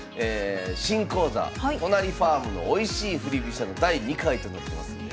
新講座「都成ファームのおいしい振り飛車」の第２回となってますんで。